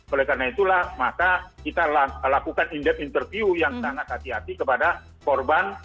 oleh karena itulah maka kita lakukan interview yang sangat hati hati kepada korban